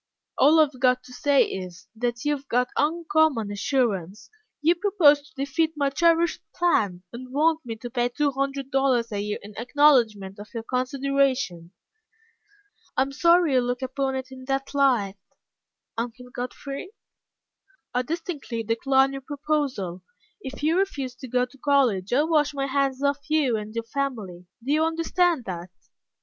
"All I have got to say is, that you have got uncommon assurance. You propose to defeat my cherished plan, and want me to pay two hundred dollars a year in acknowledgment of your consideration." "I am sorry you look upon it in that light, Uncle Godfrey." "I distinctly decline your proposal. If you refuse to go to college, I wash my hands of you and your family. Do you understand that?"